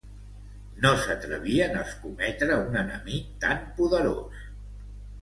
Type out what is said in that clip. No s'atrevien a escometre un enemic tan poderós.